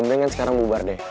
mereka sekarang bubar deh